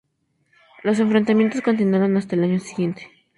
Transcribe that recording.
Los enfrentamientos continuaron hasta el año siguiente.